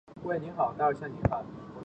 我来征服你了！